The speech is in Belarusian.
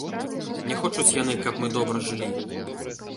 Не хочуць яны, каб мы добра жылі.